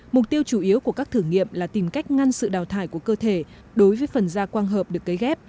mục tiêu chủ yếu của các thử nghiệm là tìm cách ngăn sự đào thải của cơ thể đối với phần da quang hợp được cấy ghép